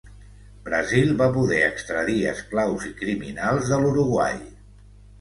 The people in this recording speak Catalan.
Brasil va poder extradir esclaus i criminals de l'Uruguai.